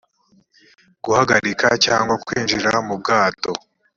guhagarika cyangwa kwinjira mu bwato